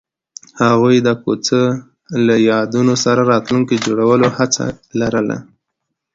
هغوی د کوڅه له یادونو سره راتلونکی جوړولو هیله لرله.